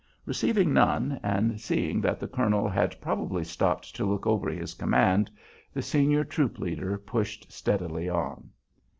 Receiving none, and seeing that the colonel had probably stopped to look over his command, the senior troop leader pushed steadily on.